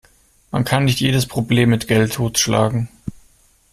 Man kann nicht jedes Problem mit Geld totschlagen.